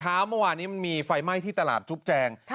เมื่อวานนี้มันมีไฟไหม้ที่ตลาดจุ๊บแจง